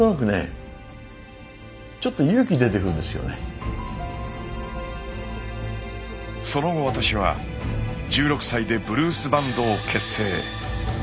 聴きながらその後私は１６歳でブルースバンドを結成。